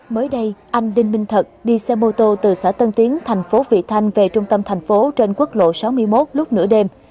mới đây anh đinh minh thật đi xe mô tô từ xã tân tiến thành phố vị thanh về trung tâm thành phố trên quốc lộ sáu mươi một lúc nửa đêm